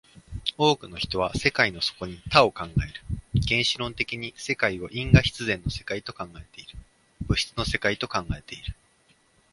多くの人は世界の底に多を考える、原子論的に世界を因果必然の世界と考えている、物質の世界と考えている。